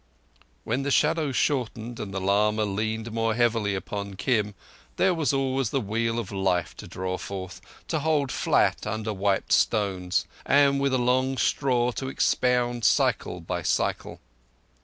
When the shadows shortened and the lama leaned more heavily upon Kim, there was always the Wheel of Life to draw forth, to hold flat under wiped stones, and with a long straw to expound cycle by cycle.